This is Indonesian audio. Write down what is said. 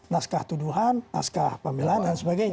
naskah tuduhan naskah pembelaan dan sebagainya